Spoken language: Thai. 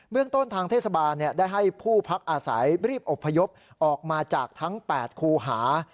เมืองต้นทางเทศบาลได้ให้ผู้พักอาศัยรีบอบพยพออกมาจากทั้ง๘คูหา